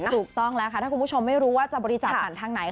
ถูกต้องแล้วค่ะถ้าคุณผู้ชมไม่รู้ว่าจะบริจาคผ่านทางไหน